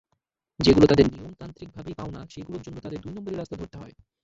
যেগুলো তাঁদের নিয়মতান্ত্রিকভাবেই পাওনা, সেগুলোর জন্য তাঁদের দুই নম্বরি রাস্তা ধরতে হয়।